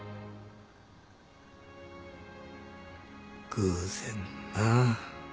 偶然な。